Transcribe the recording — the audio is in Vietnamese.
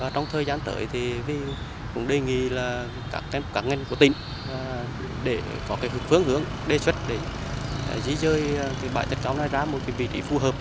trong thời gian tới thì cũng đề nghị là các ngành của tỉnh để có cái phương hướng đề xuất để di dơi cái bãi thạch cao này ra một cái vị trí phù hợp